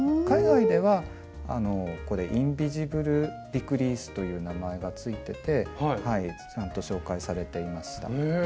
海外ではこれ「インビジブル・ディクリース」という名前が付いててちゃんと紹介されていました。